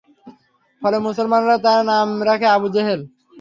ফলে মুসলমানরা তার নাম রাখে আবু জেহেল।